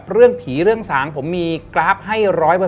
เรื่องผีเรื่องสางผมมีกราฟให้๑๐๐